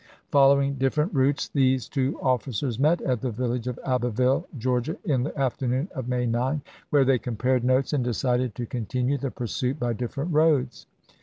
Following different routes, these two officers met at the village of Abbeville, Georgia, in the afternoon of May 9, where they compared notes and decided to continue the pursuit by different roads.